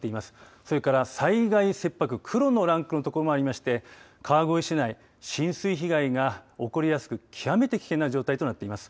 それから災害切迫黒のランクの所もありまして川越市内、浸水被害が起こりやすく極めて危険な状態となっています。